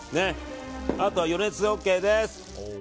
あとは余熱でＯＫです。